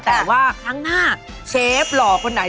แต่ว่าครั้งหน้าเชฟหล่อคนไหน